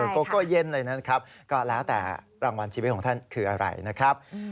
โกโก้เย็นเลยนะครับ